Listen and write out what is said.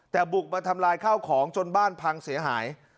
แต่บุกมาทำลายข้าวของจนบ้านพังเสียหาย